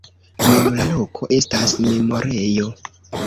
Nun la loko estas memorejo.